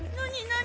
何？